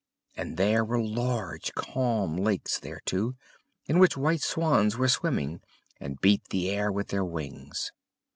And there were large calm lakes there too, in which white swans were swimming, and beat the air with their wings.